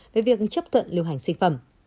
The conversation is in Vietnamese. về việc chấp thuận lưu hành sinh phẩm